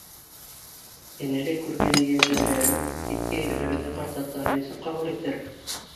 Йәнеләй күргән ейәнсәрҙәрен ситкә ебәреүҙе ҡарт атаһы нисек ҡабул итер?